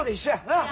なあ！？